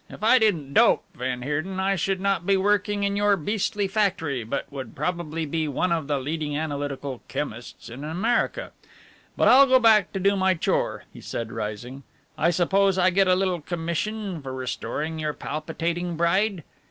"If I didn't dope, van Heerden, I should not be working in your beastly factory, but would probably be one of the leading analytical chemists in America. But I'll go back to do my chore," he said rising. "I suppose I get a little commission for restoring your palpitating bride?